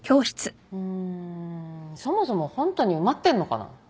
うーんそもそもホントに埋まってんのかな。